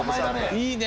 いいね。